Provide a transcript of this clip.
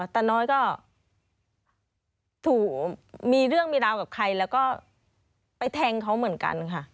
ตาน้อยก็ถูกมีเรื่องมีราวกับใครแล้วก็ไปแทงเขาเหมือนกันค่ะ